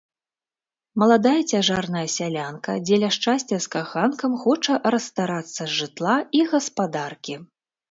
Маладая цяжарная сялянка дзеля шчасця з каханкам хоча расстарацца жытла і гаспадаркі.